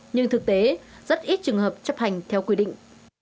nhưng thực tế rất ít trường hợp chấp hành theo quy định